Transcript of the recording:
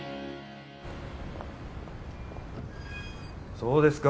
そうですか